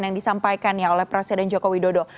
yang disampaikan oleh presiden joko widodo